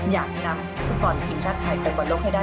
อยากนำฟุตบอลทีมชาติไทยไปบอลโลกให้ได้